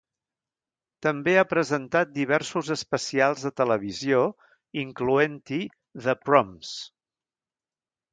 També ha presentat diversos especials a televisió, incloent-hi "The Proms".